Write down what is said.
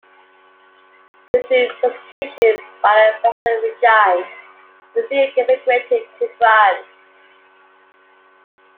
Due to persecution by the Fascist regime, Rizzi emigrated to France.